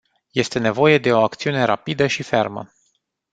Este nevoie de o acțiune rapidă și fermă.